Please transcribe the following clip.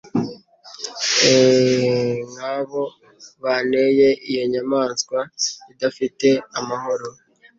E'en nkabo banteye iyo nyamaswa idafite amahoro